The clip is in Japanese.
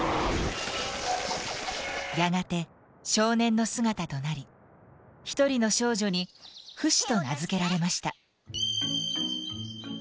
やがて少年の姿となりひとりの少女に「フシ」と名付けられました。